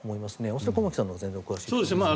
恐らく駒木さんのほうが全然お詳しいと思うんですが。